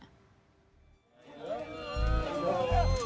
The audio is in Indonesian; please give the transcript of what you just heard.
guru benar makasih